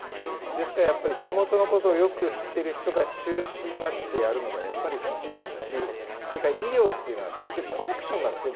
ですからやっぱり地元のことをよく知ってる人が中心になってやるのがやっぱり一番だしそれから医療っていうのは結局コネクションなんですよ。